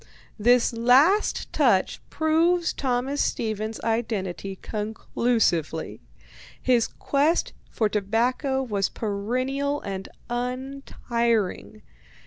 This last touch proves Thomas Stevens's identity conclusively. His quest for tobacco was perennial and untiring.